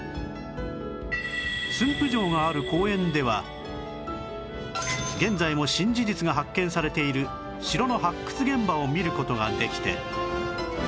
駿府城がある公園では現在も新事実が発見されている城の発掘現場を見る事ができて